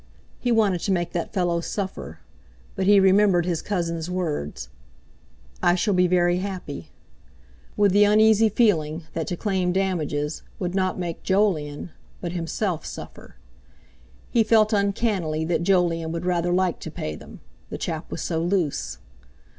He wanted to make that fellow suffer, but he remembered his cousin's words, "I shall be very happy," with the uneasy feeling that to claim damages would make not Jolyon but himself suffer; he felt uncannily that Jolyon would rather like to pay them—the chap was so loose.